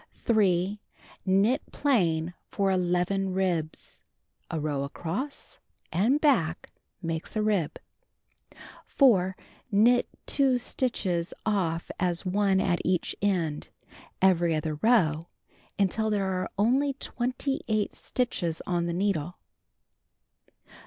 3. Knit plain for 11 ribs. (A row across and back makes a rib.) 4. Knit 2 stitches off as one at each end, every other row, until there ai c only 28 stitches on the needle.